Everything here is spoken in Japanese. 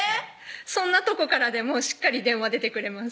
そんなとこからでもしっかり電話出てくれます